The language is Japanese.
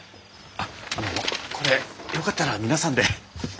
あっあのこれよかったら皆さんで。